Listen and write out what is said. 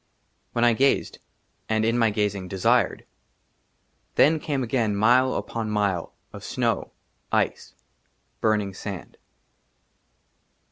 WHEN I GAZED, AND IN MY GAZING, DESIRED, THEN CAME AGAIN y^t MILE UPON MILE, OF SNOW, ICE, BURNING SAND.